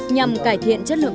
nhằm cải thiện chất lượng quản lý